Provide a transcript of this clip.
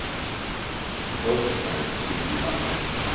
Both the parents feed the young.